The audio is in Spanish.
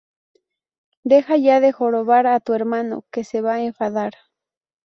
Deja ya de jorobar a tu hermano que se va a enfadar